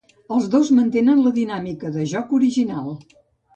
Els dos mantenen la dinàmica de joc de l'original.